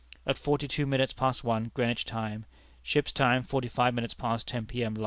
At fifty two minutes past one, Greenwich time (ship's time, forty five minutes past ten P.M.